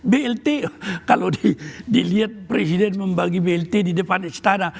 blt kalau dilihat presiden membagi blt di depan istana